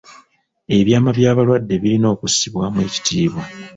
Ebyama by'abalwadde birina okussibwamu ekitiibwa.